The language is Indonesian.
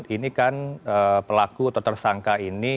ini kan pelaku atau tersangka ini